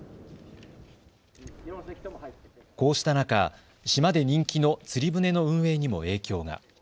こうした中、島で人気の釣り船の運営にも影響が。